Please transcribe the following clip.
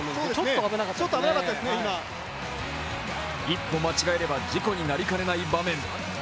一歩間違えれば事故になりかねない場面。